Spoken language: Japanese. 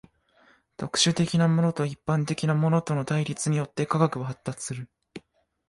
特殊的なものと一般的なものとの対立によって科学は発達する。